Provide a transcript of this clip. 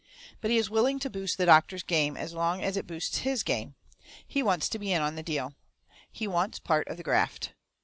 But he is willing to boost the doctor's game as long as it boosts HIS game. He wants to be in on the deal. He wants part of the graft.